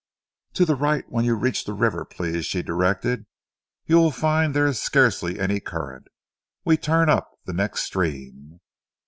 "To the right when you reach the river, please," she directed. "You will find there is scarcely any current. We turn up the next stream."